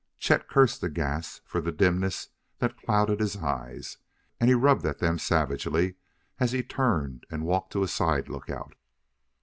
Chet cursed the gas for the dimness that clouded his eyes, and he rubbed at them savagely as he turned and walked to a side lookout.